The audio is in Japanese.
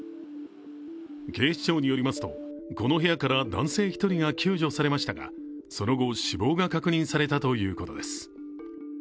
警視庁によりますとこの部屋から男性１人が救助されましたがその後、死亡が確認されたということです。